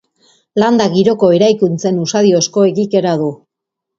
Landa giroko eraikuntzen usadiozko egikera du.